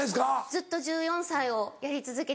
ずっと１４歳をやり続けて。